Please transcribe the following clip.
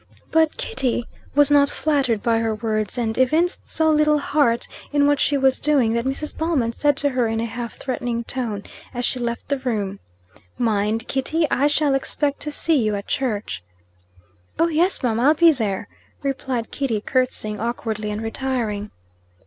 But Kitty was not flattered by her words, and evinced so little heart in what she was doing that Mrs Ballman said to her, in a half threatening tone, as she left the room "Mind, Kitty, I shall expect to see you at church." "Oh, yes, mum; I'll be there," replied Kitty, courtesying awkwardly, and retiring.